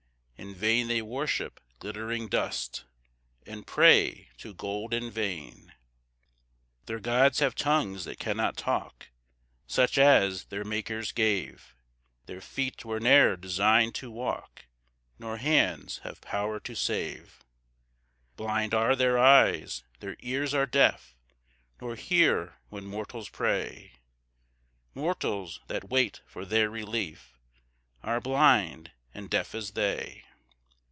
In vain they worship glittering dust, And pray to gold in vain. 6 [Their gods have tongues that cannot talk, Such as their makers gave: Their feet were ne'er design'd to walk, Nor hands have power to save. 7 Blind are their eyes, their ears are deaf, Nor hear when mortals pray; Mortals, that wait for their relief, Are blind, and deaf as they.